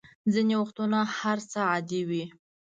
ځینې وختونه هر څه عادي وي.